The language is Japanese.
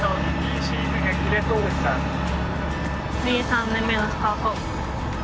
いい３年目のスタート。